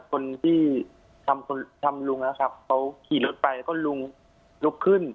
คนที่ทำลุงนะครับเขาขี่รถไปก็ลุงลุกขึ้น